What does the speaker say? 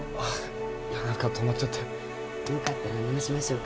なんか止まっちゃってよかったら直しましょうか？